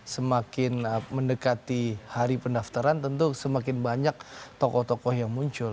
semakin mendekati hari pendaftaran tentu semakin banyak tokoh tokoh yang muncul